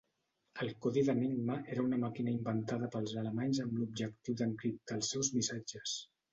El codi d'Enigma era una màquina inventada pels alemanys amb l'objectiu d'encriptar els seus missatges.